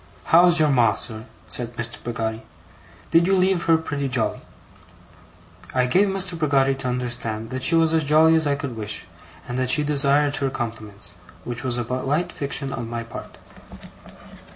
'How's your Ma, sir?' said Mr. Peggotty. 'Did you leave her pretty jolly?' I gave Mr. Peggotty to understand that she was as jolly as I could wish, and that she desired her compliments which was a polite fiction on my part.